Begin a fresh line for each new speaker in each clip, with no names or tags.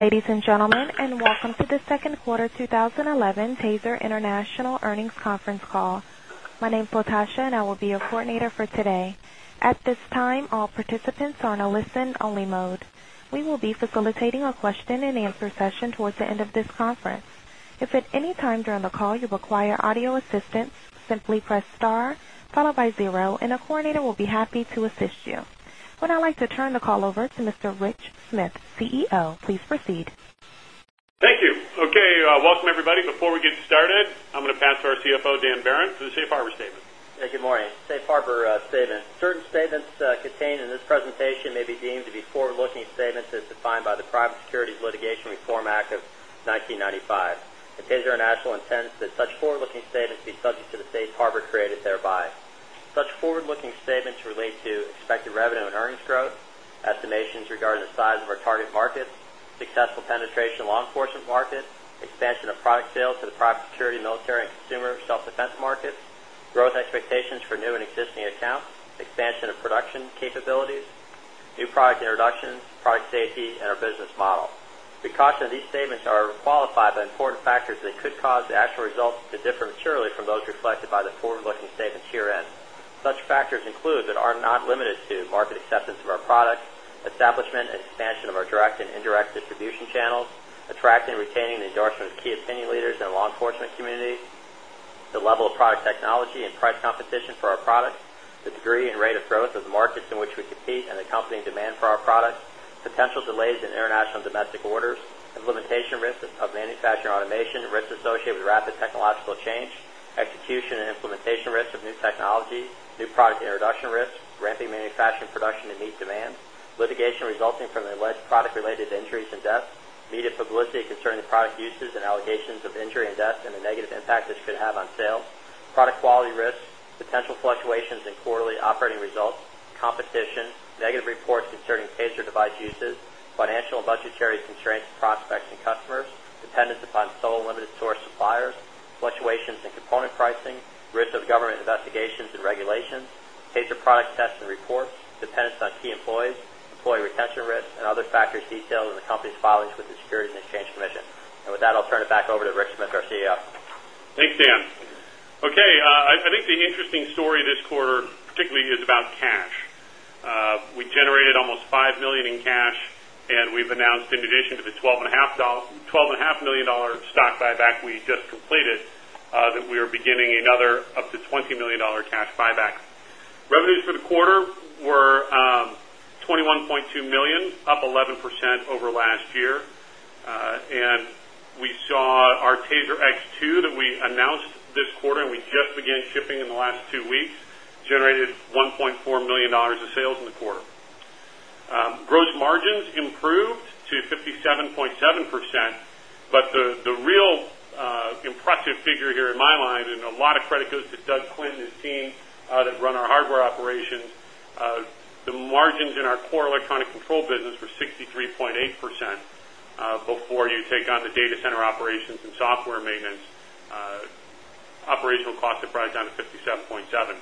Ladies and gentlemen, welcome to the Second Quarter 2011 TASER International Earnings Conference Call. My name is Natasha, and I will be your coordinator for today. At this time, all participants are in a listen-only mode. We will be facilitating a question and answer session towards the end of this conference. If at any time during the call you require audio assistance, simply press star followed by zero, and a coordinator will be happy to assist you. I would now like to turn the call over to Mr. Rick Smith, CEO. Please proceed.
Thank you. Okay, welcome everybody. Before we get started, I'm going to pass to our CFO, Dan Behrendt, for the Safe Harbor statement.
Yeah, good morning. Safe Harbor statement. Certain statements contained in this presentation may be deemed to be forward-looking statements as defined by the Private Securities Litigation Reform Act of 1995. Axon Enterprise intends that such forward-looking statements be subject to the Safe Harbor created thereby. Such forward-looking statements relate to expected revenue and earnings growth, estimations regarding the size of our target markets, successful penetration in the law enforcement market, expansion of product sales to the private security, military, and consumer self-defense markets, growth expectations for new and existing accounts, expansion of production capabilities, new product introductions, product safety, and our business model. We caution that these statements are qualified by important factors that could cause the actual results to differ materially from those reflected by the forward-looking statements herein. Such factors include but are not limited to market acceptance of our products, establishment and expansion of our direct and indirect distribution channels, attracting and retaining the endorsement of key opinion leaders in the law enforcement community, the level of product technology and price competition for our products, the degree and rate of growth of the markets in which we compete and the accompanying demand for our products, potential delays in international and domestic orders, implementation risks of manufacturing automation, risks associated with rapid technological change, execution and implementation risks of new technology, new product introduction risks, ramping manufacturing production and need demands, litigation resulting from alleged product-related injuries and deaths, media publicity concerning the product uses and allegations of injury and deaths, and the negative impact this could have on sales, product quality risks, potential fluctuations in quarterly operating results, competition, negative reports concerning TASER device uses, financial and budgetary constraints to prospects and customers, dependence upon sole limited source suppliers, fluctuations in component pricing, risk of government investigations and regulations, TASER product tests and reports, dependence on key employees, employee retention risks, and other factors detailed in the company's filings with the Securities and Exchange Commission. With that, I'll turn it back over to Rick Smith, our CEO.
Thanks, Dan. Okay, I think the interesting story this quarter, particularly, is about cash. We generated almost $5 million in cash, and we've announced, in addition to the $12.5 million stock buyback we just completed, that we are beginning another up to $20 million cash buyback. Revenues for the quarter were $21.2 million, up 11% over last year. We saw our TASER X2, that we announced this quarter and we just began shipping in the last two weeks, generated $1.4 million of sales in the quarter. Gross margins improved to 57.7%, but the real impressive figure here in my mind, and a lot of credit goes to Doug Klint and his team that run our hardware operations, the margins in our core electronic control device business were 63.8% before you take on the data center operations and software maintenance. Operational costs have dropped down to 57.7%.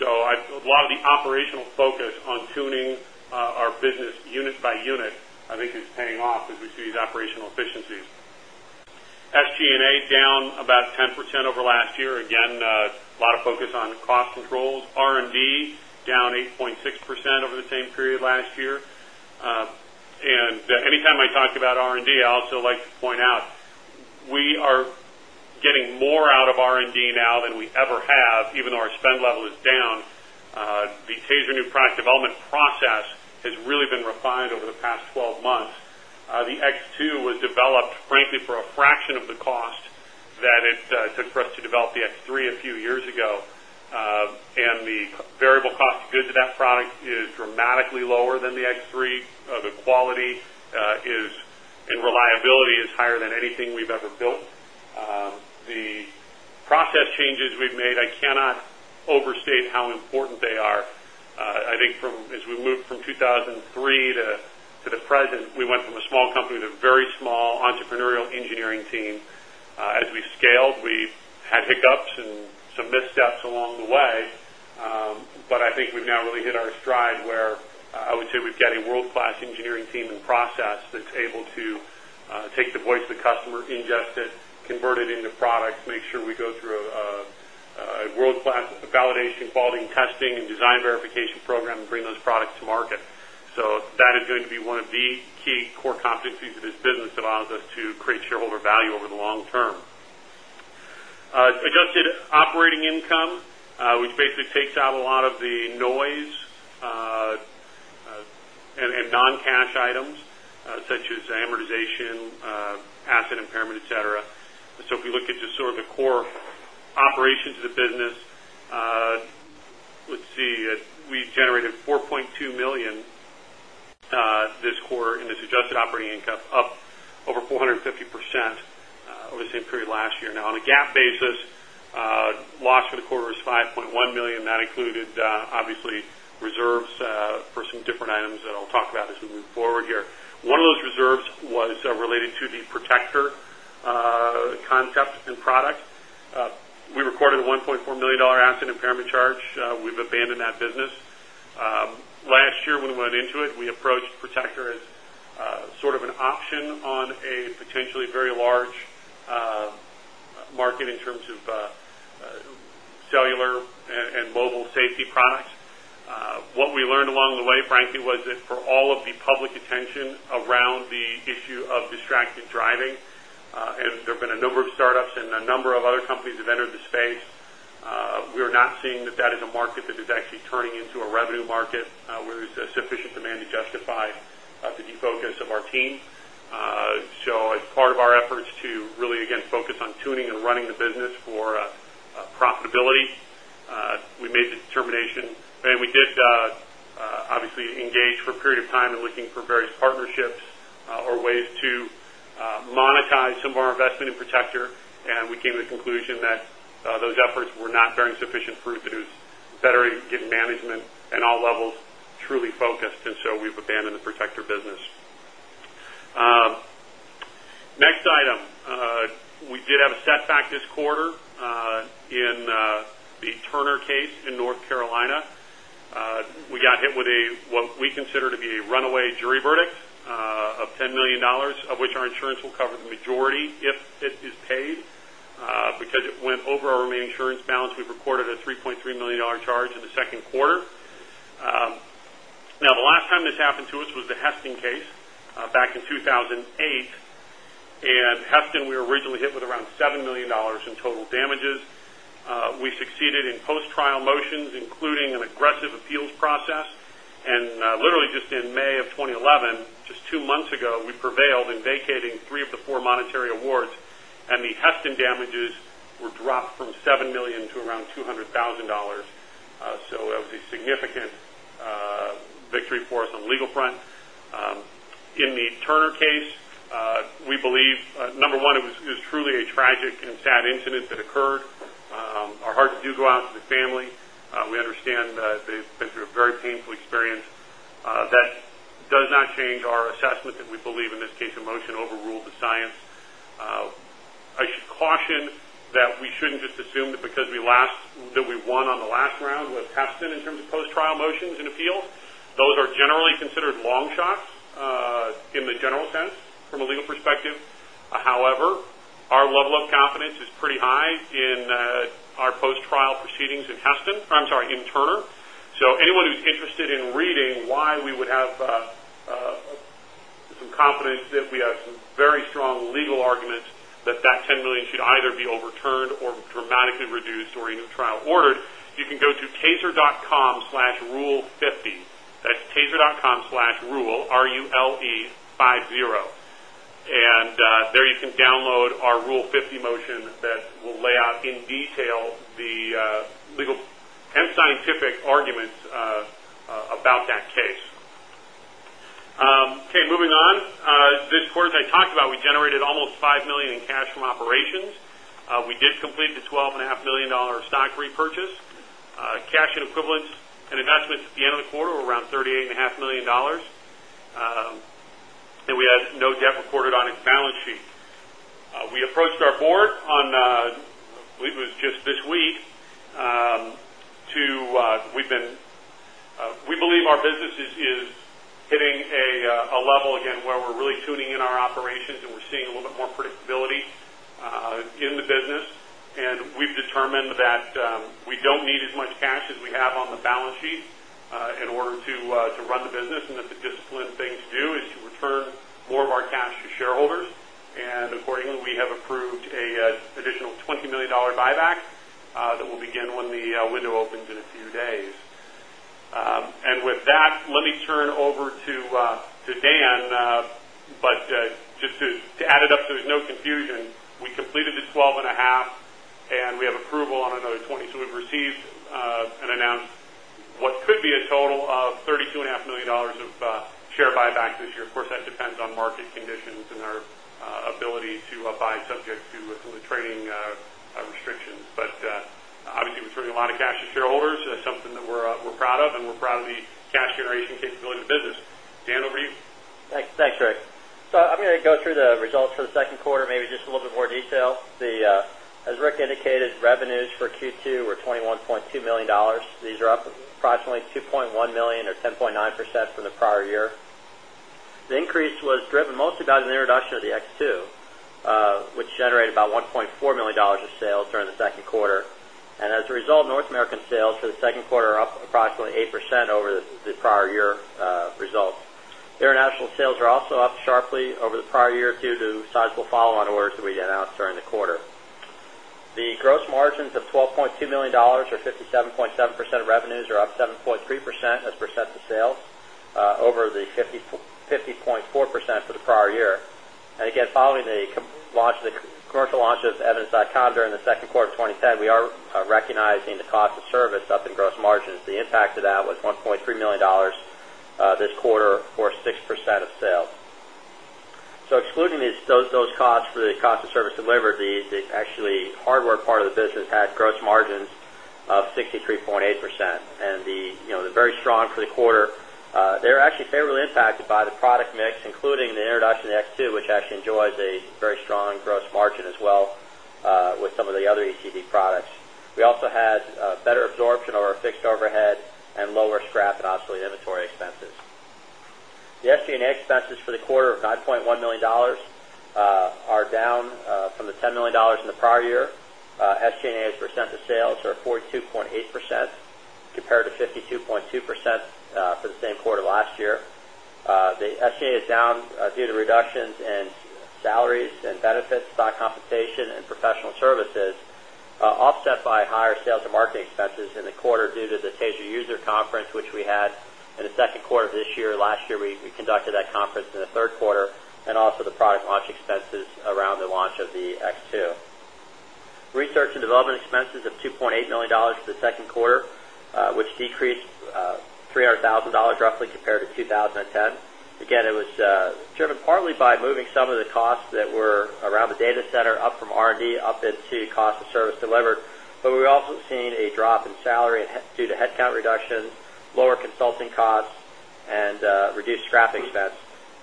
A lot of the operational focus on tuning our business unit by unit, I think, is paying off as we see these operational efficiencies. SG&A down about 10% over last year. Again, a lot of focus on cost controls. R&D down 8.6% over the same period last year. Anytime I talk about R&D, I also like to point out we are getting more out of R&D now than we ever have, even though our spend level is down. The TASER new product development process has really been refined over the past 12 months. The X2 was developed, frankly, for a fraction of the cost that it took for us to develop the X3 a few years ago. The variable cost of goods of that product is dramatically lower than the X3. The quality and reliability is higher than anything we've ever built. The process changes we've made, I cannot overstate how important they are. I think as we moved from 2003 to the present, we went from a small company to a very small entrepreneurial engineering team. As we've scaled, we've had hiccups and some missteps along the way, but I think we've now really hit our stride where I would say we've got a world-class engineering team and process that's able to take the voice of the customer, ingest it, convert it into products, make sure we go through a world-class validation, quality testing, and design verification program, and bring those products to market. That is going to be one of the key core competencies of this business that allows us to create shareholder value over the long term. Adjusted operating income, which basically takes out a lot of the noise and non-cash items, such as amortization, asset impairment, etc. If you look at just sort of the core operations of the business, let's see, we generated $4.2 million this quarter in this adjusted operating income, up over 450% over the same period last year. Now, on a GAAP basis, loss for the quarter was $5.1 million. That included, obviously, reserves for some different items that I'll talk about as we move forward here. One of those reserves was related to the Protector concept and product. We recorded a $1.4 million asset impairment charge. We've abandoned that business. Last year, when we went into it, we approached Protector as sort of an option on a potentially very large market in terms of cellular and mobile safety products. What we learned along the way, frankly, was that for all of the public attention around the issue of distracted driving, and there have been a number of start-ups and a number of other companies that have entered the space, we are not seeing that in a market that is actually turning into a revenue market where there's a sufficient demand to justify the focus of our team. As part of our efforts to really, again, focus on tuning and running the business for profitability, we made the determination, and we did, obviously, engage for a period of time in looking for various partnerships or ways to monetize some of our investment in Protector. We came to the conclusion that those efforts were not bearing sufficient fruit. It was better to get management at all levels truly focused, and so we've abandoned the Protector business. Next item, we did have a setback this quarter in the Turner case in North Carolina. We got hit with what we consider to be a runaway jury verdict of $10 million, of which our insurance will cover the majority if it is paid. Because it went over our remaining insurance balance, we've recorded a $3.3 million charge in the second quarter. The last time this happened to us was the Heston case back in 2008. In Heston, we were originally hit with around $7 million in total damages. We succeeded in post-trial motions, including an aggressive appeals process. Literally, just in May of 2011, just two months ago, we prevailed in vacating three of the four monetary awards, and the Heston damages were dropped from $7 million to around $200,000. That was a significant victory for us on the legal front. In the Turner case, we believe, number one, it was truly a tragic and sad incident that occurred. Our hearts do go out to the family. We understand that they've been through a very painful experience. That does not change our assessment that we believe, in this case, a motion overruled the science. I should caution that we shouldn't just assume that because we lost, that we won on the last round with Heston in terms of post-trial motions and appeals. Those are generally considered long shots in the general sense from a legal perspective. However, our level of confidence is pretty high in our post-trial proceedings in Heston, I'm sorry, in Turner. Anyone who's interested in reading why we would have some confidence that we have some very strong legal arguments that that $10 million should either be overturned or dramatically reduced or a new trial ordered, you can go to taser.com/rule50. That's taser.com/rule, R-U-L-E, 50. There you can download our Rule 50 motion that will lay out in detail the legal and scientific arguments about that case. Okay, moving on. This quarter, as I talked about, we generated almost $5 million in cash from operations. We did complete the $12.5 million stock repurchase. Cash and equivalents and investments at the end of the quarter were around $38.5 million. We had no debt recorded on its balance sheet. We approached our board on, I believe it was just this week, to we believe our business is hitting a level, again, where we're really tuning in our operations and we're seeing a little bit more predictability in the business. We've determined that we don't need as much cash as we have on the balance sheet in order to run the business. That's a disciplined thing to do, to return more of our cash to shareholders. Accordingly, we have approved an additional $20 million buyback that will begin when the window opens in a few days. With that, let me turn over to Dan. Just to add it up so there's no confusion, we completed the $12.5 million, and we have approval on another $20 million. We've received and announced what could be a total of $32.5 million of share buyback this year. Of course, that depends on market conditions and our ability to buy subject to some of the trading restrictions. Obviously, we're turning a lot of cash to shareholders. That's something that we're proud of, and we're proud of the cash generation capability of the business. Dan, over to you.
Thanks, Rick. I'm going to go through the results for the second quarter, maybe just a little bit more detail. As Rick indicated, revenues for Q2 were $21.2 million. These are up approximately $2.1 million or 10.9% from the prior year. The increase was driven mostly by the introduction of the TASER X2, which generated about $1.4 million of sales during the second quarter. As a result, North American sales for the second quarter are up approximately 8% over the prior year results. Their international sales are also up sharply over the prior year due to sizable follow-on orders that we announced during the quarter. The gross margins of $12.2 million, or 57.7% of revenues, are up 7.3% as percent of sales over the 50.4% for the prior year. Following the commercial launch of EVIDENCE.com during the second quarter of 2010, we are recognizing the cost of service up in gross margins. The impact of that was $1.3 million this quarter, or 6% of sales. Excluding those costs for the cost of service delivered, the actual hardware part of the business had gross margins of 63.8%. The margins were very strong for the quarter, actually favorably impacted by the product mix, including the introduction of the TASER X2, which enjoys a very strong gross margin as well with some of the other ECD products. We also had better absorption of our fixed overhead and lower scrap and obsolete inventory expenses. The SG&A expenses for the quarter of $9.1 million are down from the $10 million in the prior year. SG&A as percent of sales are 42.8% compared to 52.2% for the same quarter last year. The SG&A is down due to reductions in salaries and benefits, stock compensation, and professional services, offset by higher sales and marketing expenses in the quarter due to the TASER User Conference, which we had in the second quarter of this year. Last year, we conducted that conference in the third quarter and also the product launch expenses around the launch of the TASER X2. Research and development expenses of $2.8 million for the second quarter decreased $300,000 roughly compared to 2010. It was driven partly by moving some of the costs that were around the data center up from R&D up into cost of service delivered. We're also seeing a drop in salary due to headcount reductions, lower consulting costs, and reduced scrap expense.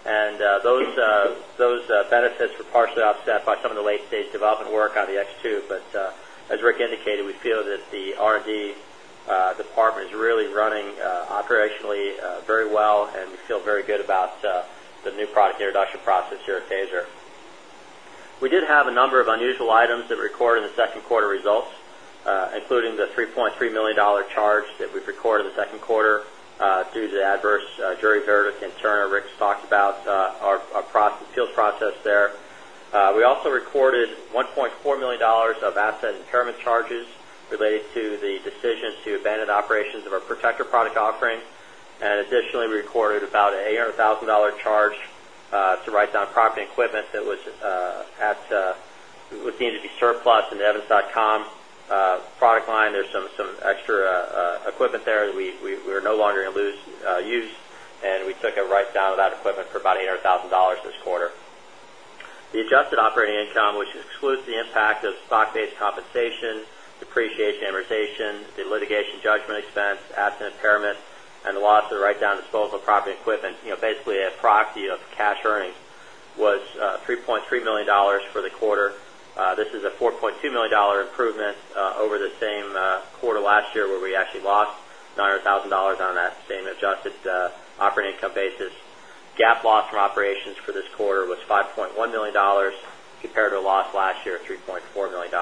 Those benefits were partially offset by some of the late-stage development work on the TASER X2. As Rick indicated, we feel that the R&D department is really running operationally very well, and we feel very good about the new product introduction process here at TASER. We did have a number of unusual items that recorded in the second quarter results, including the $3.3 million charge that we've recorded in the second quarter due to the adverse jury verdict in Turner. Rick's talked about our field process there. We also recorded $1.4 million of asset impairment charges related to the decision to abandon the operations of our Protector product offering. Additionally, we recorded about an $800,000 charge to write down property and equipment that was seen to be surplus in the EVIDENCE.com product line. There's some extra equipment there that we are no longer going to use, and we took a write down of that equipment for about $800,000 this quarter. The adjusted operating income, which excludes the impact of stock-based compensation, depreciation, amortization, the litigation judgment expense, asset impairment, and the loss of the write down disposable property and equipment, basically a proxy of cash earnings, was $3.3 million for the quarter. This is a $4.2 million improvement over the same quarter last year where we actually lost $900,000 on that same adjusted operating income basis. GAAP loss from operations for this quarter was $5.1 million compared to a loss last year of $3.4 million.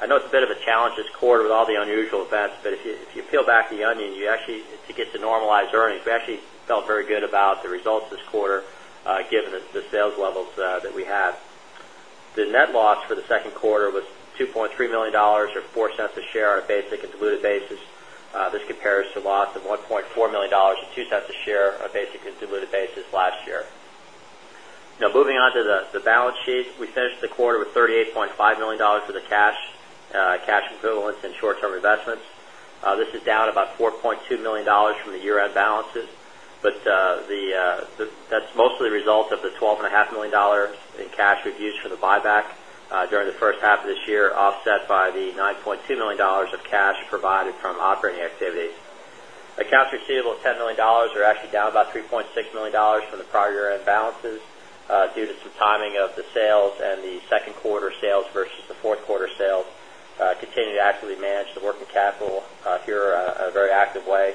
I know it's a bit of a challenge this quarter with all the unusual events, but if you peel back the onion, you actually get to normalize earnings. We actually felt very good about the results this quarter, given the sales levels that we had. The net loss for the second quarter was $2.3 million or $0.04 a share on a basic and diluted basis. This compares to a loss of $1.4 million or $0.02 a share on a basic and diluted basis last year. Now, moving on to the balance sheet, we finished the quarter with $38.5 million of cash equivalents and short-term investments. This is down about $4.2 million from the year-end balances. That's mostly a result of the $12.5 million in cash we've used for the buyback during the first half of this year, offset by the $9.2 million of cash provided from operating activities. Accounts receivable of $10 million are actually down about $3.6 million from the prior year-end balances due to some timing of the sales and the second quarter sales versus the fourth quarter sales. Continue to actively manage the working capital here in a very active way.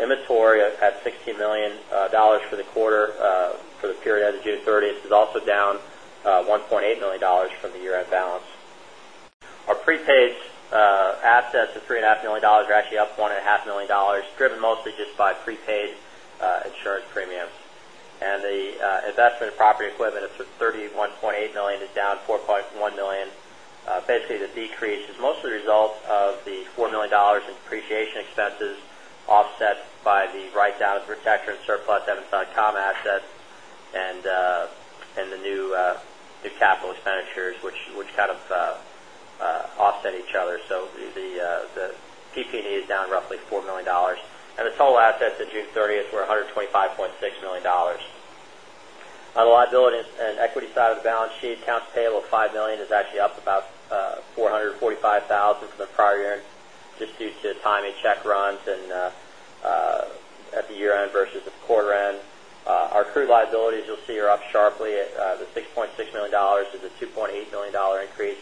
Inventory at $16 million for the quarter for the period end of June 30 is also down $1.8 million from the year-end balance. Our prepaid assets of $3.5 million are actually up $1.5 million, driven mostly just by prepaid insurance premiums. The investment in property and equipment of $31.8 million is down $4.1 million. Basically, the decrease is mostly a result of the $4 million in depreciation expenses offset by the write-down of Protector and surplus EVIDENCE.com assets and the new capital expenditures, which kind of offset each other. The PP&E is down roughly $4 million. The total assets at June 30 were $125.6 million. On the liability and equity side of the balance sheet, accounts payable of $5 million is actually up about $445,000 from the prior year, just due to timing check runs at the year-end versus the quarter-end. Our accrued liabilities, you'll see, are up sharply. The $6.6 million is a $2.8 million increase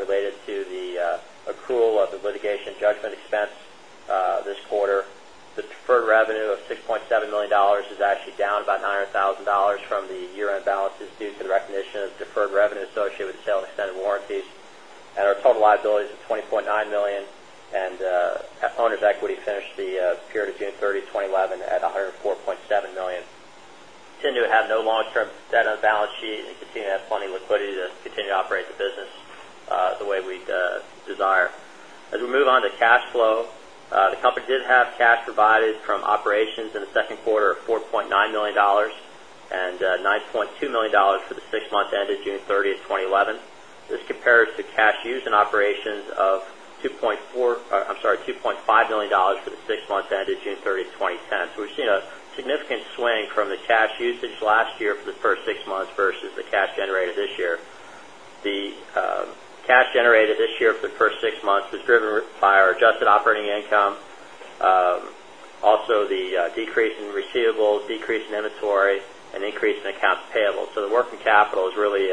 related to the accrual of the litigation judgment expense this quarter. The deferred revenue of $6.7 million is actually down about $900,000 from the year-end balances due to the recognition of deferred revenue associated with the sale of extended warranties. Our total liabilities are $20.9 million. Our owners' equity finished the period of June 30, 2011, at $104.7 million. Continue to have no long-term debt on the balance sheet and continue to have plenty of liquidity to continue to operate the business the way we desire. As we move on to cash flow, the company did have cash provided from operations in the second quarter of $4.9 million and $9.2 million for the six months ended June 30, 2011. This compares to cash used in operations of $2.5 million for the six months ended June 30, 2010. We have seen a significant swing from the cash usage last year for the first six months versus the cash generated this year. The cash generated this year for the first six months is driven by our adjusted operating income, also the decrease in receivables, decrease in inventory, and increase in accounts payable. The working capital has really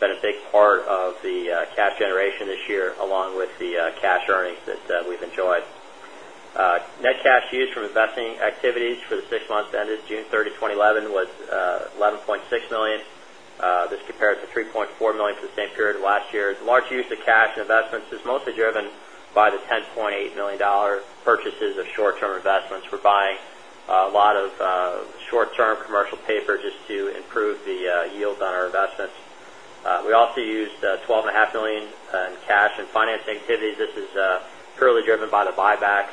been a big part of the cash generation this year, along with the cash earnings that we've enjoyed. Net cash used from investing activities for the six months ended June 30, 2011, was $11.6 million. This compared to $3.4 million for the same period of last year. The large use of cash and investments is mostly driven by the $10.8 million purchases of short-term investments. We're buying a lot of short-term commercial paper just to improve the yield on our investments. We also used $12.5 million in cash and finance activities. This is purely driven by the buyback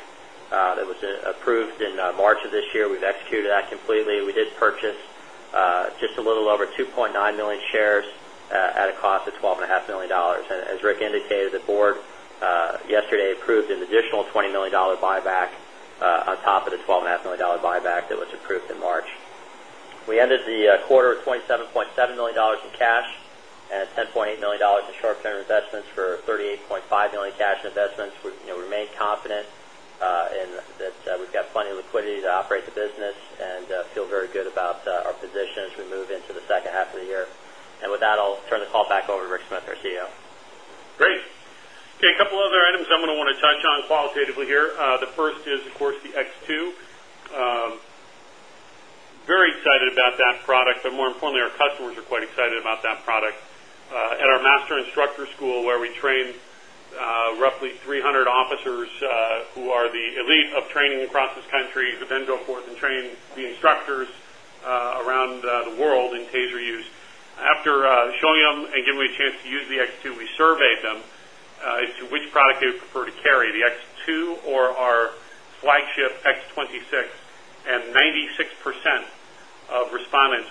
that was approved in March of this year. We've executed that completely. We did purchase just a little over 2.9 million shares at a cost of $12.5 million. As Rick indicated, the board yesterday approved an additional $20 million buyback on top of the $12.5 million buyback that was approved in March. We ended the quarter with $27.7 million in cash and $10.8 million in short-term investments for $38.5 million in cash investments. We remain confident that we've got plenty of liquidity to operate the business and feel very good about our position as we move into the second half of the year. With that, I'll turn the call back over to Rick Smith, our CEO.
Great. Okay, a couple of other items I'm going to want to touch on qualitatively here. The first is, of course, the X2. Very excited about that product. More importantly, our customers are quite excited about that product. At our Master Instructor School, where we train roughly 300 officers who are the elite of training across this country, who then go forth and train the instructors around the world in TASER use. After showing them and giving them a chance to use the X2, we surveyed them as to which product they would prefer to carry, the X2 or our flagship X26. 96% of respondents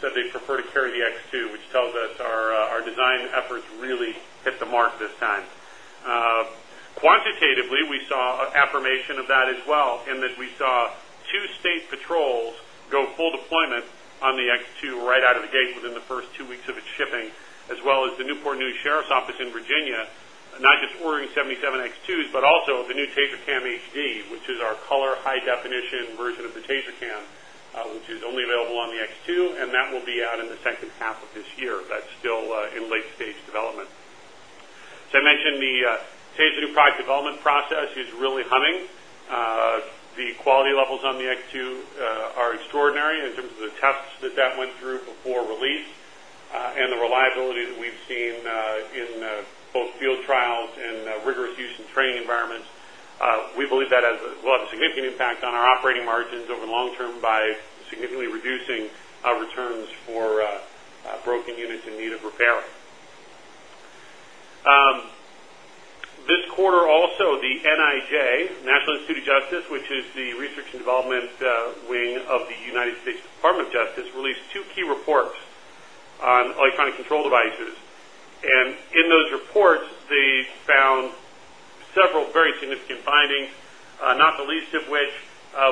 said they'd prefer to carry the X2, which tells us our design efforts really hit the mark this time. Quantitatively, we saw affirmation of that as well, in that we saw two state patrols go full deployment on the X2 right out of the gate within the first two weeks of its shipping, as well as the Newport News Sheriff's Office in Virginia, not just ordering 77 X2s, but also the new TASER Cam HD, which is our color, high-definition version of the TASER Cam, which is only available on the X2. That will be out in the second half of this year. That's still in late-stage development. I mentioned the TASER new product development process is really humming. The quality levels on the X2 are extraordinary in terms of the tests that that went through before release and the reliability that we've seen in both field trials and rigorous use in training environments. We believe that will have a significant impact on our operating margins over the long term by significantly reducing our returns for broken units in need of repair. This quarter, also, the NIJ, National Institute of Justice, which is the research and development wing of the United States Department of Justice, released two key reports on electronic control devices. In those reports, they found several very significant findings, not the least of which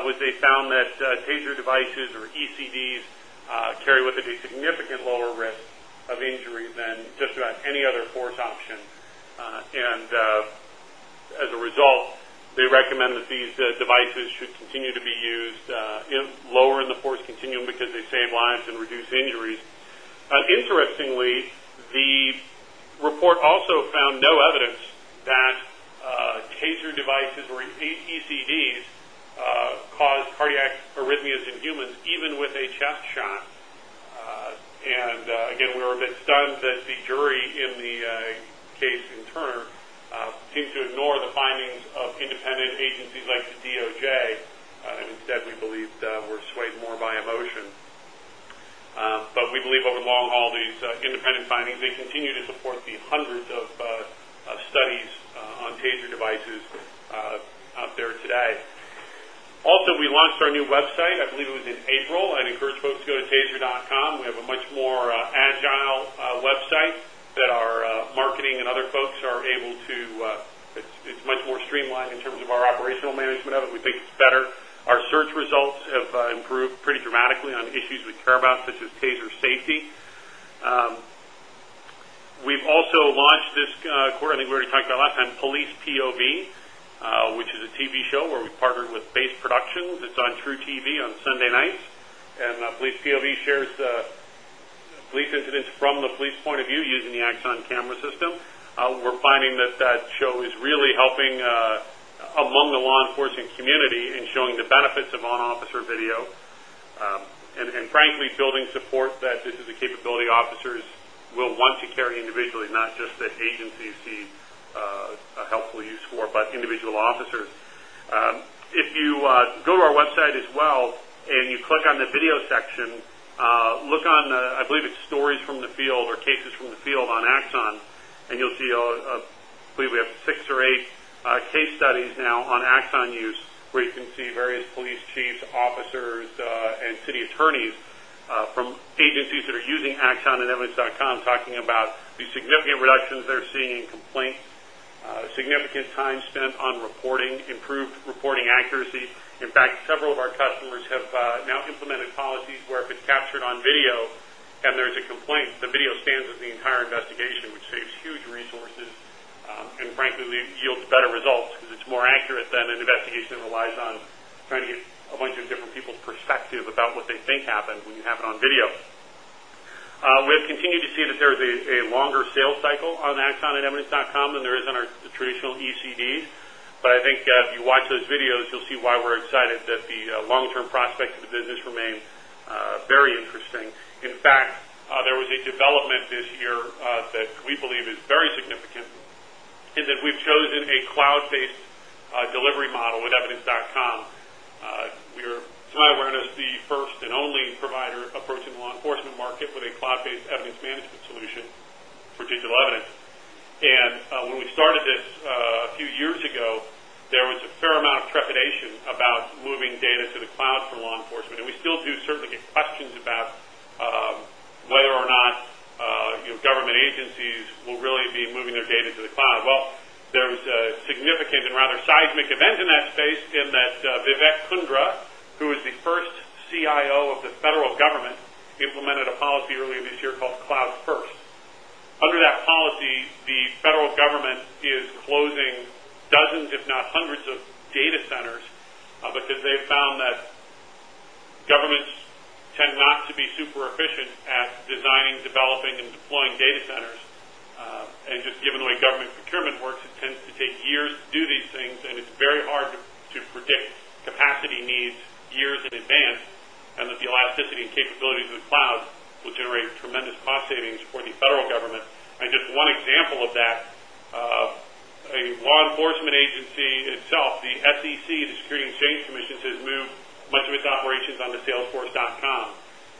was they found that TASER devices, or ECDs, carry with it a significant lower risk of injury than just about any other force option. As a result, they recommend that these devices should continue to be used lower in the force continuum because they save lives and reduce injuries. Interestingly, the report also found no evidence that TASER devices, or ECDs, cause cardiac arrhythmias in humans, even with a chest shot. We were a bit stunned that the jury in the case in Turner seemed to ignore the findings of independent agencies like the DOJ. Instead, we believed we're swayed more by emotion. We believe over the long haul, these independent findings continue to support the hundreds of studies on TASER devices out there today. Also, we launched our new website. I believe it was in April. I'd encourage folks to go to taser.com. We have a much more agile website that our marketing and other folks are able to use. It's much more streamlined in terms of our operational management of it. We think it's better. Our search results have improved pretty dramatically on issues we care about, such as TASER safety. We've also launched this quarter, I think we already talked about it last time, Police POV, which is a TV show where we've partnered with Bates Productions. It's on truTV on Sunday nights. Police POV shares the police incidents from the police point of view using the AXON camera system. We're finding that show is really helping among the law enforcement community in showing the benefits of on-officer video and, frankly, building support that this is a capability officers will want to carry individually, not just that agencies see a helpful use for, but individual officers. If you go to our website as well and you click on the video section, look on the, I believe it's Stories From the Field or Cases from the Field on AXON. You'll see, I believe we have six or eight case studies now on Axon use where you can see various police chiefs, officers, and city attorneys from agencies that are using AXON and EVIDENCE.com talking about the significant reductions they're seeing in complaints, significant time spent on reporting, improved reporting accuracy. In fact, several of our customers have now implemented policies where if it's captured on video and there's a complaint, the video stands as the entire investigation, which saves huge resources and, frankly, yields better results because it's more accurate than an investigation that relies on trying to get a bunch of different people's perspective about what they think happened when you have it on video. We have continued to see that there's a longer sales cycle on AXON and EVIDENCE.com than there is on our traditional ECDs. I think if you watch those videos, you'll see why we're excited that the long-term prospects of the business remain very interesting. In fact, there was a development this year that we believe is very significant in that we've chosen a cloud-based delivery model with EVIDENCE.com. We are, to my awareness, the first and only provider approaching the law enforcement market with a cloud-based evidence management solution for digital evidence. When we started this a few years ago, there was a fair amount of trepidation about moving data to the cloud for law enforcement. We still do certainly get questions about whether or not government agencies will really be moving their data to the cloud. There was a significant and rather seismic event in that space in that Vivek Kundra, who is the first CIO of the federal government, implemented a policy earlier this year called Cloud First. Under that policy, the federal government is closing dozens, if not hundreds, of data centers because they had found that governments tend not to be super efficient at designing, developing, and deploying data centers. Just given the way government procurement works, it tends to take years to do these things. It's very hard to predict capacity needs years in advance and the elasticity and capability of the cloud will generate tremendous cost savings for the federal government. Just one example of that, a law enforcement agency itself, the SEC, the Securities and Exchange Commission, has moved much of its operations onto salesforce.com.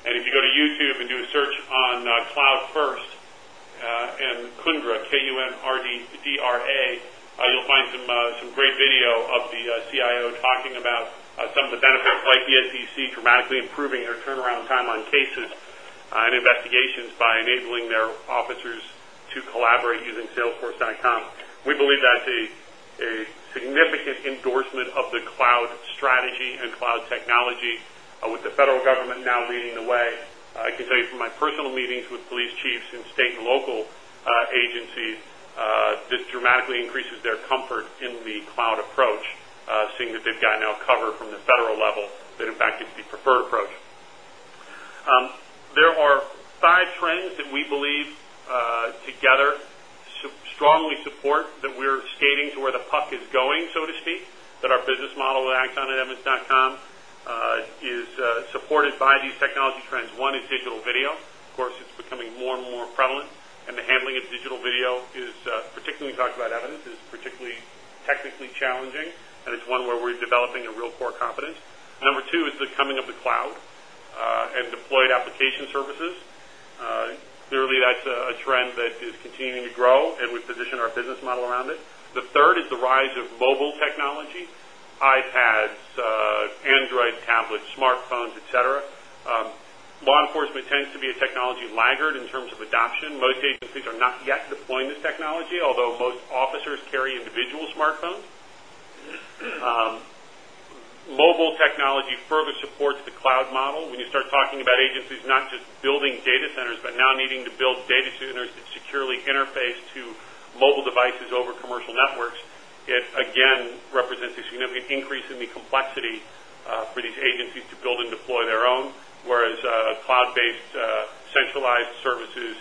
If you go to YouTube and do a search on Cloud First and Kundra, K-U-N-D-R-A, you'll find some great video of the CIO talking about some of the benefits like the SEC dramatically improving their turnaround timeline cases and investigations by enabling their officers to collaborate using salesforce.com. We believe that's a significant endorsement of the cloud strategy and cloud technology, with the federal government now leading the way. I can tell you from my personal meetings with police chiefs in state and local agencies, this dramatically increases their comfort in the cloud approach, seeing that they've got now cover from the federal level, that, in fact, it's the preferred approach. There are five trends that we believe together to strongly support that we're skating to where the puck is going, so to speak, that our business model with AXON and EVIDENCE.com is supported by these technology trends. One is digital video. Of course, it's becoming more and more prevalent. The handling of digital video is particularly, talked about evidence, is particularly technically challenging. It's one where we're developing a real core competence. Number two is the coming of the cloud and deployed application services. Clearly, that's a trend that is continuing to grow, and we position our business model around it. The third is the rise of mobile technology, iPads, Android tablets, smartphones, etc. Law enforcement tends to be a technology laggard in terms of adoption. Most agencies are not yet deploying this technology, although most officers carry individual smartphones. Mobile technology further supports the cloud model. When you start talking about agencies not just building data centers, but now needing to build data centers that securely interface to mobile devices over commercial networks, it again represents a significant increase in the complexity for these agencies to build and deploy their own, whereas cloud-based centralized services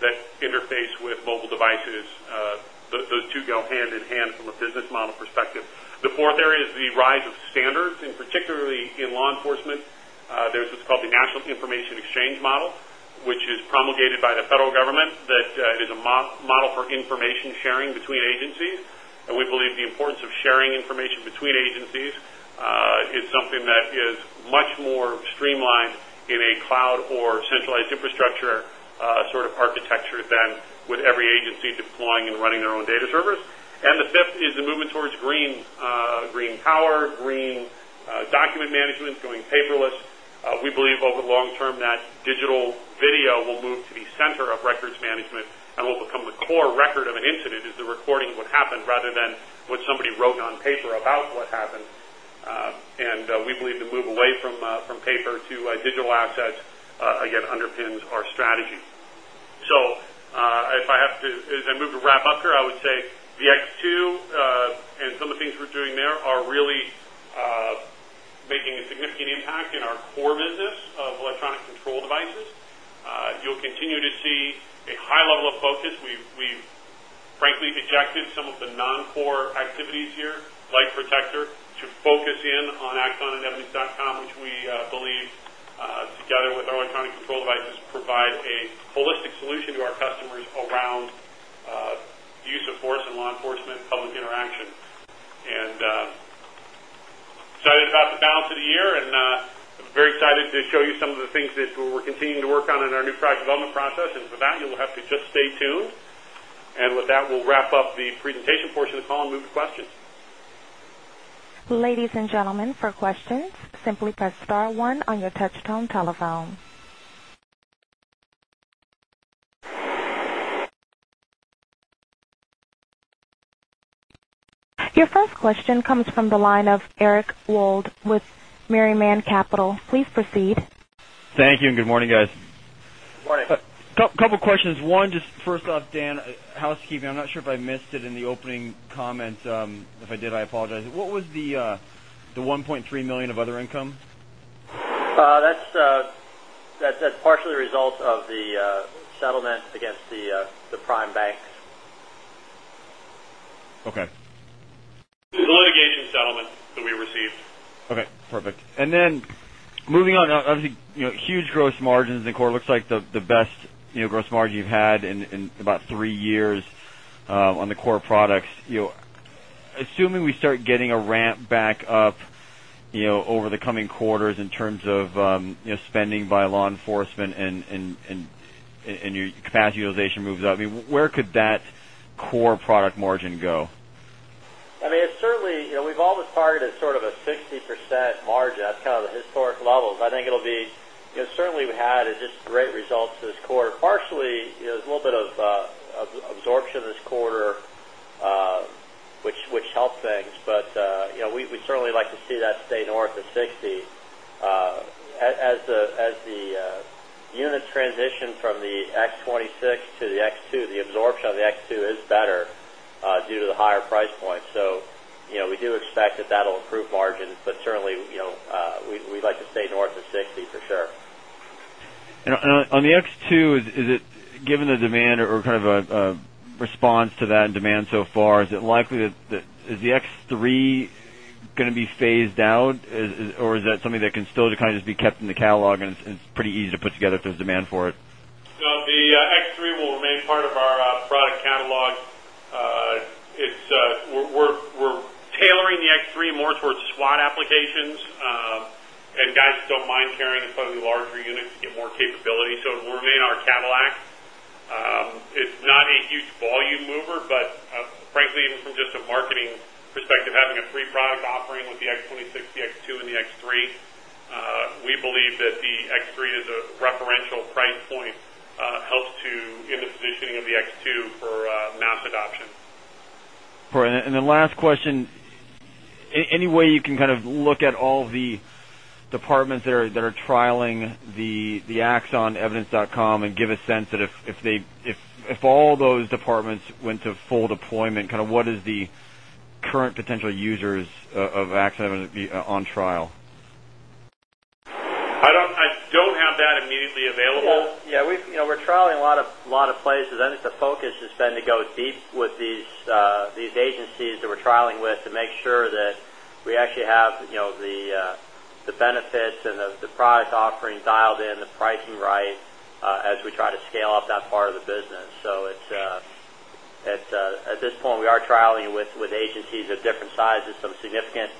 that interface with mobile devices, those two go hand in hand from a business model perspective. The fourth area is the rise of standards, and particularly in law enforcement. There's what's called the National Information Exchange Model, which is promulgated by the federal government, that it is a model for information sharing between agencies. We believe the importance of sharing information between agencies is something that is much more streamlined in a cloud or centralized infrastructure sort of architecture than with every agency deploying and running their own data servers. The fifth is the movement towards green power, green document management, going paperless. We believe over the long term that digital video will move to the center of records management and will become the core record of an incident, is the recording of what happened rather than what somebody wrote on paper about what happened. We believe the move away from paper to digital assets, again, underpins our strategy. If I have to move to wrap up here, I would say the TASER X2 and some of the things we're doing there are really making a significant impact in our core business of electronic control devices. You'll continue to see a high level of focus. We've, frankly, ejected some of the non-core activities here, like Protector, to focus in on AXON and EVIDENCE.com, which we believe, together with our electronic control devices, provide a holistic solution to our customers around use of force in law enforcement public interaction. Excited about the balance of the year. I'm very excited to show you some of the things that we're continuing to work on in our new product development process. For that, you'll have to just stay tuned. With that, we'll wrap up the presentation portion of the call and move to questions.
Ladies and gentlemen, for questions, simply press star one on your touch-tone telephone. Your first question comes from the line of Eric Wold with Merriman Capital. Please proceed.
Thank you. Good morning, guys.
Morning.
A couple of questions. One, just first off, Dan, housekeeping, I'm not sure if I missed it in the opening comments. If I did, I apologize. What was the $1.3 million of other income?
That's partially a result of the settlement against the prime banks.
Okay.
It was a litigation settlement that we received.
Okay. Perfect. Moving on, obviously, you know, huge gross margins in the quarter. Looks like the best gross margin you've had in about three years on the core products. Assuming we start getting a ramp back up over the coming quarters in terms of spending by law enforcement and your capacity utilization moves up, I mean, where could that core product margin go?
I mean, it's certainly, you know, we've always targeted sort of a 60% margin. That's kind of the historic levels. I think it'll be, you know, certainly we had just great results this quarter. Partially, you know, there's a little bit of absorption this quarter, which helps things. We'd certainly like to see that stay north of 60%. As the unit transition from the X26 to the TASER X2, the absorption of the TASER X2 is better due to the higher price point. We do expect that that'll improve margin. Certainly, you know, we'd like to stay north of 60%, for sure.
On the X2, given the demand or kind of a response to that and demand so far, is it likely that the X3 is going to be phased out, or is that something that can still just be kept in the catalog and it's pretty easy to put together if there's demand for it?
No, the X3 will remain part of our product catalog. We are tailoring the X3 more towards SWAT applications. Guys do not mind carrying a slightly larger unit to get more capability. It will remain in our catalog. It is not a huge volume mover, but frankly, even from just a marketing perspective, having a three-product offering with the X26, the TASER X2, and the X3, we believe that the X3 is a preferential price point and helps in the positioning of the TASER X2 for mass adoption.
Is there any way you can kind of look at all the departments that are trialing the AXON, EVIDENCE.com and give a sense that if all those departments went to full deployment, what is the current potential users of AXON on trial?
I don't have that immediately available.
Yeah, we're trialing a lot of places. I think the focus has been to go deep with these agencies that we're trialing with to make sure that we actually have the benefits and the product offering dialed in, the pricing right as we try to scale up that part of the business. At this point, we are trialing with agencies of different sizes, some significant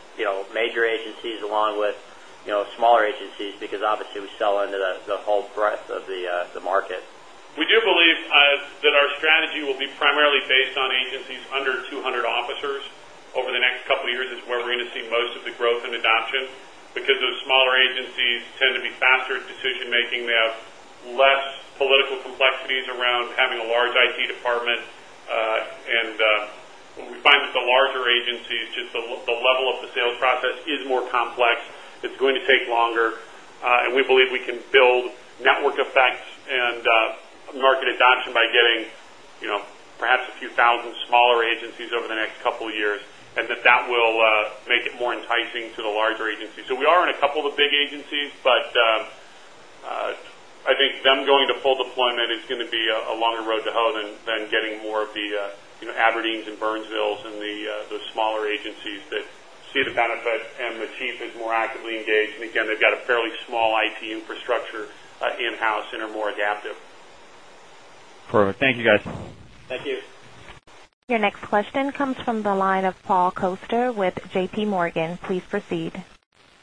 major agencies along with smaller agencies because, obviously, we still are into the whole breadth of the market.
We do believe that our strategy will be primarily based on agencies under 200 officers over the next couple of years. This is where we're going to see most of the growth and adoption because those smaller agencies tend to be faster at decision-making. They have less political complexities around having a large IT department. We find that the larger agencies, just the level of the sales process is more complex. It's going to take longer. We believe we can build network effects and market adoption by getting, you know, perhaps a few thousand smaller agencies over the next couple of years, and that will make it more enticing to the larger agencies. We are in a couple of the big agencies, but I think them going to full deployment is going to be a longer road to hoe than getting more of the Aberdeens and Burnsvilles and the smaller agencies that see the benefit and the chief is more actively engaged. They've got a fairly small IT infrastructure in-house and are more adaptive.
Perfect. Thank you, guys.
Thank you.
Your next question comes from the line of Paul Coster with JPMorgan. Please proceed.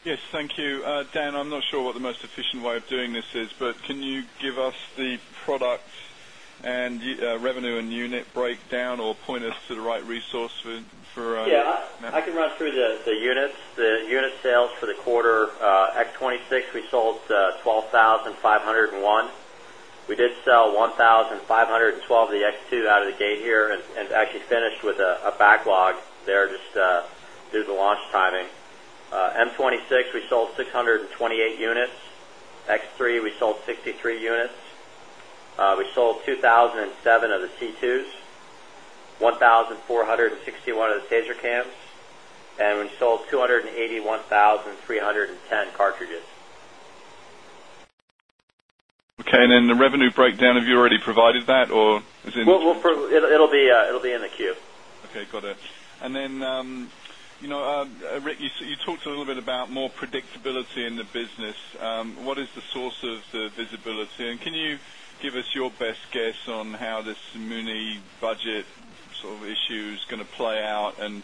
Yes, thank you. Dan, I'm not sure what the most efficient way of doing this is, but can you give us the product and revenue and unit breakdown or point us to the right resource for?
Yeah, I can run through the units. The unit sales for the quarter, X26, we sold 12,501. We did sell 1,512 of the TASER X2 out of the gate here and actually finished with a backlog there just due to the launch timing. M26, we sold 628 units. X3, we sold 63 units. We sold 2,007 of the C2s, 1,461 of the TASER Cams, and we sold 281,310 cartridges.
Okay, the revenue breakdown, have you already provided that, or is it?
It'll be in the Q.
Okay. Got it. Rick, you talked a little bit about more predictability in the business. What is the source of the visibility? Can you give us your best guess on how this money budget sort of issue is going to play out and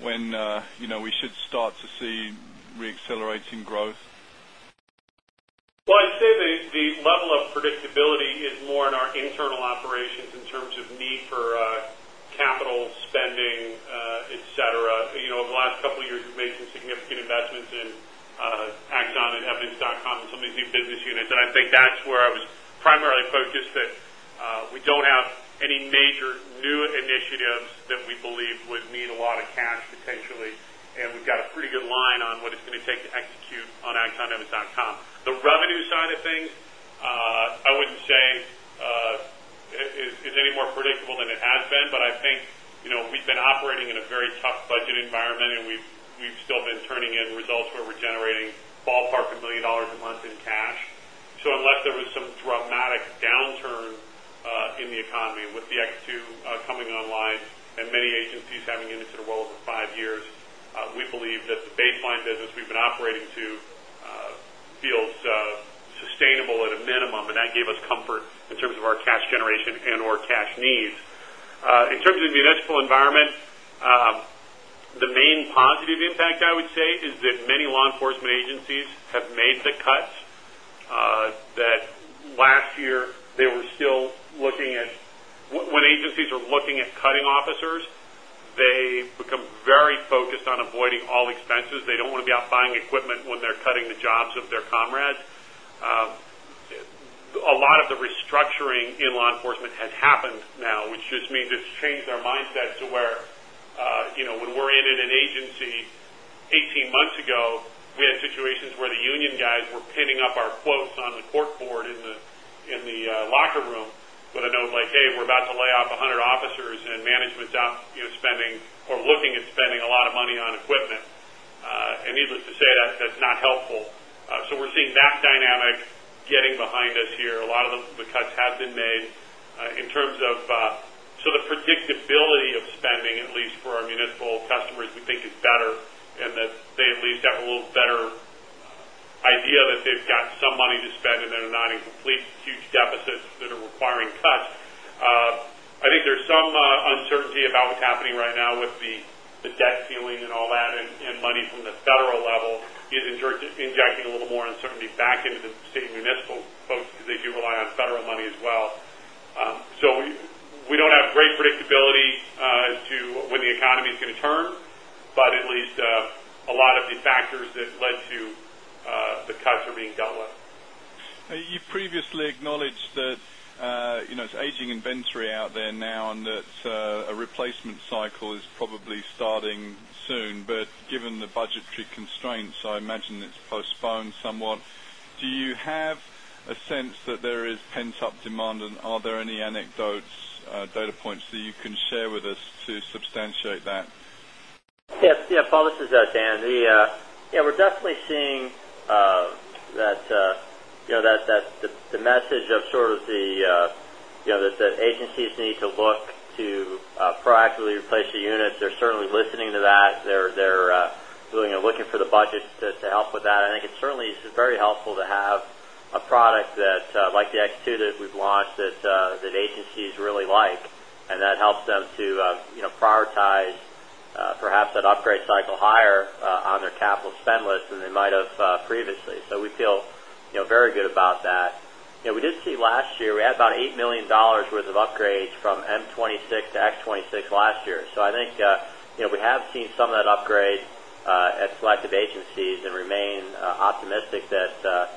when you know we should start to see re-accelerating growth?
The level of predictability is more in our internal operations in terms of need for capital spending, etc. Over the last couple of years, we've made some significant investments in AXON and EVIDENCE.com and some of these new business units. I think that's where I was primarily focused, that we don't have any major new initiatives that we believe would need a lot of cash potentially. We've got a pretty good line on what it's going to take to execute on AXON and EVIDENCE.com. The revenue side of things, I wouldn't say is any more predictable than it has been. We've been operating in a very tough budget environment, and we've still been turning in results where we're generating ballpark $1 million a month in cash. Unless there was some dramatic downturn in the economy with the TASER X2 coming online and many agencies having entered the role over five years, we believe that the baseline business we've been operating to feels sustainable at a minimum. That gave us comfort in terms of our cash generation and/or cash needs. In terms of the municipal environment, the main positive impact I would say is that many law enforcement agencies have made the cuts that last year they were still looking at. When agencies are looking at cutting officers, they become very focused on avoiding all expenses. They don't want to be out buying equipment when they're cutting the jobs of their comrades. A lot of the restructuring in law enforcement has happened now, which just means it's changed our mindset to where, when we're in an agency, 18 months ago, we had situations where the union guys were pinning up our quotes on the corkboard in the locker room with a note like, "Hey, we're about to lay off 100 officers," and management's out, spending, or looking at spending a lot of money on equipment. Needless to say, that's not helpful. We're seeing that dynamic getting behind us here. A lot of the cuts have been made, so the predictability of spending, at least for our municipal customers, we think is better and that they at least have a little better idea that they've got some money to spend and that they're not in complete huge deficits that are requiring cuts. I think there's some uncertainty about what's happening right now with the debt ceiling and all that and money from the federal level, injecting a little more uncertainty back into the state and municipal folks because they do rely on federal money as well. We don't have great predictability as to when the economy is going to turn, but at least a lot of the factors that led to the cuts are being dealt with.
You previously acknowledged that, you know, it's aging inventory out there now and that a replacement cycle is probably starting soon. Given the budgetary constraints, I imagine it's postponed somewhat. Do you have a sense that there is pent-up demand, and are there any anecdotes, data points that you can share with us to substantiate that?
Yep. Yep. Paul, this is Dan. Yeah, we're definitely seeing that the message of sort of the, you know, that agencies need to look to proactively replace the units, they're certainly listening to that. They're looking for the budgets to help with that. I think it's certainly very helpful to have a product that, like the X2 that we've launched, that agencies really like. That helps them to prioritize perhaps that upgrade cycle higher on their capital spend list than they might have previously. We feel very good about that. We did see last year, we had about $8 million worth of upgrades from M26 to X26 last year. I think we have seen some of that upgrade at selective agencies and remain optimistic that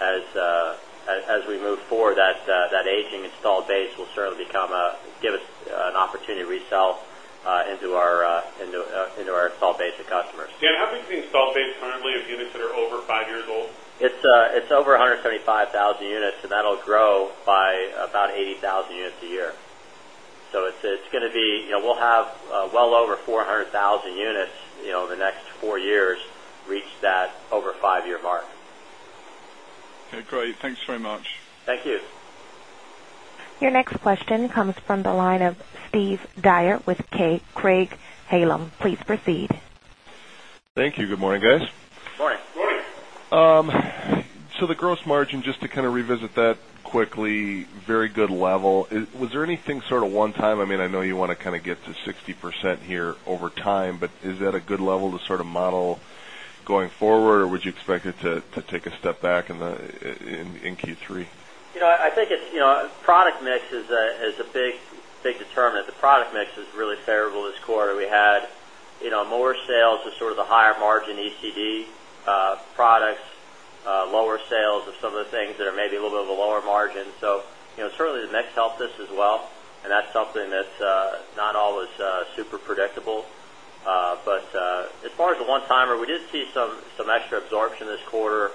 as we move forward, that aging installed base will certainly give us an opportunity to resell into our installed base of customers.
Dan, how big is the installed base currently of units that are over five years old?
It's over 175,000 units, and that'll grow by about 80,000 units a year. It's going to be, you know, we'll have well over 400,000 units in the next four years reach that over five-year mark.
Okay. Great. Thanks very much.
Thank you.
Your next question comes from the line of Steve Dyer with Craig-Hallum. Please proceed.
Thank you. Good morning, guys.
Morning.
The gross margin, just to kind of revisit that quickly, very good level. Was there anything sort of one time? I mean, I know you want to kind of get to 60% here over time, but is that a good level to sort of model going forward, or would you expect it to take a step back in Q3?
You know. I think it's, you know, product mix is a big, big determinant. The product mix is really favorable this quarter. We had, you know, more sales of sort of the higher margin ECD products, lower sales of some of the things that are maybe a little bit of a lower margin. Certainly, the mix helped us as well. That's something that's not always super predictable. As far as the one-timer, we did see some extra absorption this quarter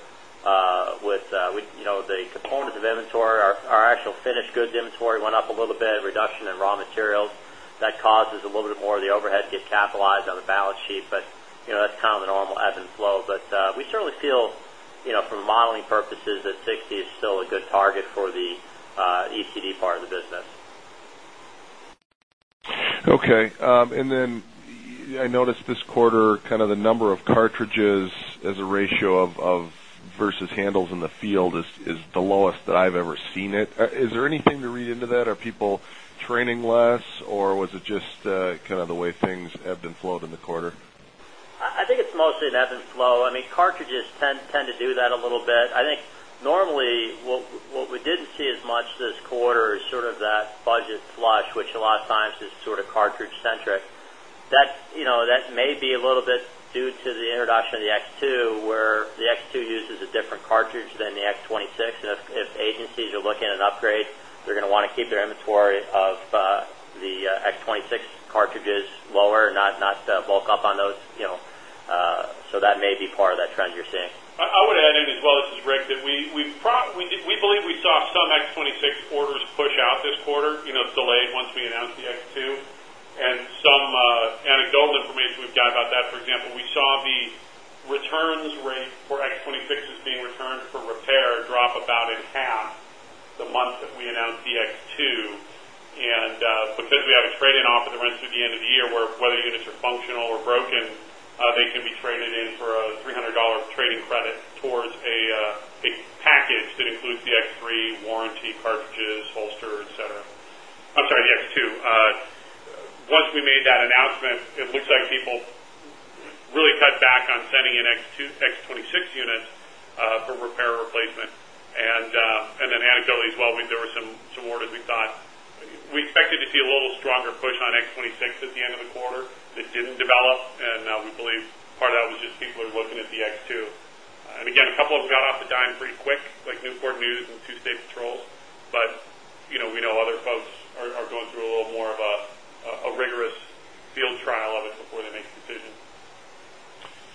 with, you know, the component of inventory. Our actual finished goods inventory went up a little bit, reduction in raw materials. That causes a little bit more of the overhead to get capitalized on the balance sheet. That's kind of the normal ebb and flow. We certainly feel, you know, from modeling purposes, that 60% is still a good target for the ECD part of the business.
Okay. I noticed this quarter, kind of the number of cartridges as a ratio of versus handles in the field is the lowest that I've ever seen it. Is there anything to read into that? Are people training less, or was it just kind of the way things ebbed and flowed in the quarter?
I think it's mostly an ebb and flow. I mean, cartridges tend to do that a little bit. I think normally, what we didn't see as much this quarter is sort of that budget flush, which a lot of times is sort of cartridge-centric. That may be a little bit due to the introduction of the TASER X2, where the TASER X2 uses a different cartridge than the X26. If agencies are looking at an upgrade, they're going to want to keep their inventory of the X26 cartridges lower, not bulk up on those. That may be part of that trend you're seeing.
I would add in as well, this is Rick, that we believe we saw some X26 orders push out this quarter, you know, delayed once we announced the X2. Some anecdotal information we've got about that, for example, we saw the return rates for X26s being returned for repair drop about in half the month that we announced the X2. Because we have a trade-in offer that runs through the end of the year, whether units are functional or broken, they can be traded in for a $300 trade-in credit towards a package that includes the X2 warranty, cartridges, holster, etc. Once we made that announcement, it looks like people really cut back on sending in X26 units for repair or replacement. Anecdotally as well, there were some orders we thought we expected to see a little stronger push on X26 at the end of the quarter. It didn't develop. We believe part of that was just people are looking at the X2. A couple of them got off the dime pretty quick, like Newport News and two state patrols. You know, we know other folks are going through a little more of a rigorous field trial of it before they make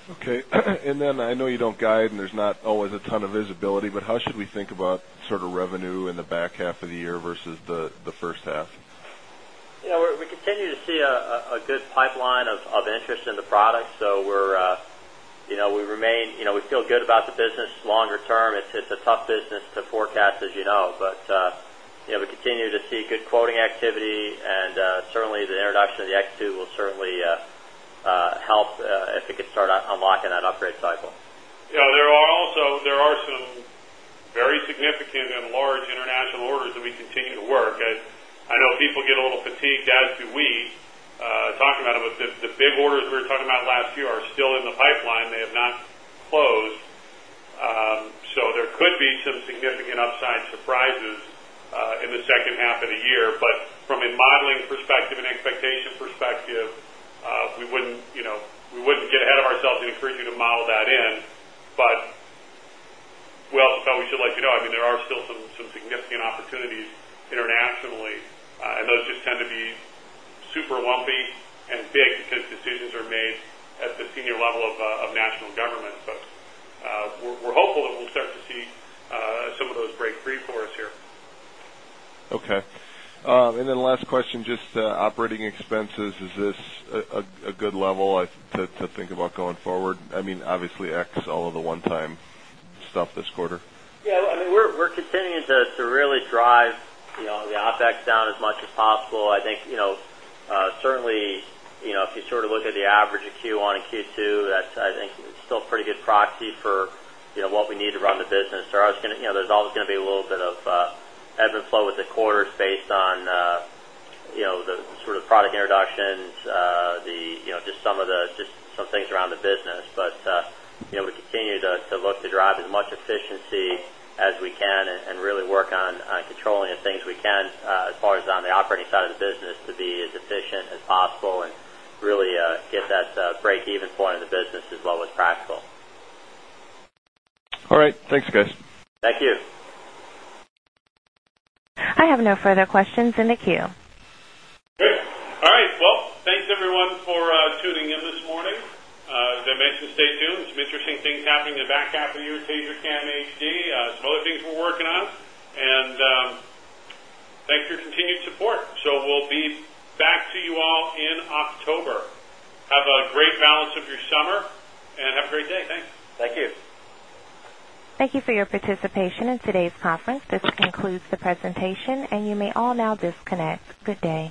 a decision.
Okay. I know you don't guide and there's not always a ton of visibility, but how should we think about sort of revenue in the back half of the year versus the first half?
We continue to see a good pipeline of interest in the product. We remain, you know, we feel good about the business longer term. It's a tough business to forecast, as you know. We continue to see good quoting activity, and certainly, the introduction of the X2 will certainly help if it could start unlocking that upgrade cycle.
There are also some very significant and large international orders that we continue to work. I know people get a little fatigued, as do we, talking about them, but the big orders we were talking about last year are still in the pipeline. They have not closed. There could be some significant upside surprises in the second half of the year. From a modeling perspective and expectation perspective, we wouldn't, you know, we wouldn't get ahead of ourselves and encourage you to model that in. We also thought we should let you know, I mean, there are still some significant opportunities internationally. Those just tend to be super lumpy and big because decisions are made at the senior level of national governments. We're hopeful that we'll start to see some of those break free for us here.
Okay. Last question, just operating expenses, is this a good level to think about going forward? I mean, obviously, X is all of the one-time stuff this quarter.
Yeah, I mean, we're continuing to really drive the OpEx down as much as possible. I think if you sort of look at the average of Q1 and Q2, I think it's still a pretty good proxy for what we need to run the business. There's always going to be a little bit of ebb and flow with the quarters based on the sort of product introductions, just some things around the business. We continue to look to drive as much efficiency as we can and really work on controlling the things we can, as far as on the operating side of the business, to be as efficient as possible and really get that break-even point in the business as well as practical.
All right. Thanks, guys.
Thank you.
I have no further questions in the queue.
Great. All right. Thanks everyone for tuning in this morning. As I mentioned, stay tuned. There's some interesting things happening in the back half of your TASER Cam HD, some other things we're working on. Thanks for your continued support. We'll be back to you all in October. Have a great balance of your summer and have a great day. Thanks.
Thank you.
Thank you for your participation in today's conference. This concludes the presentation, and you may all now disconnect. Good day.